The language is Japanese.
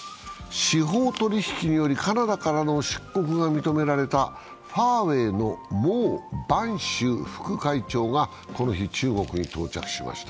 司法取引によりカナダからの出国が認められたファーウェイの孟晩舟副会長がこの日、中国に到着しました。